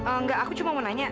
enggak aku cuma mau nanya